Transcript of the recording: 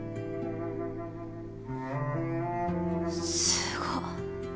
すごっ。